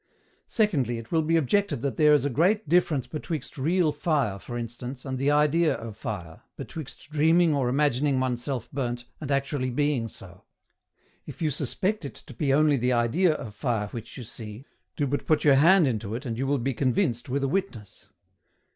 Secondly, it will be OBJECTED that there is a great difference betwixt real fire for instance, and the idea of fire, betwixt dreaming or imagining oneself burnt, and actually being so: if you suspect it to be only the idea of fire which you see, do but put your hand into it and you will be convinced with a witness.